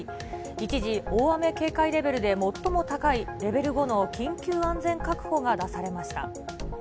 一時、大雨警戒レベルで最も高いレベル５の緊急安全確保が出されました。